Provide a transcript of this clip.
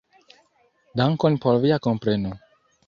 Dankon por via kompreno.